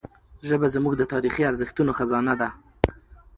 ژبه زموږ د تاریخي ارزښتونو خزانه ده.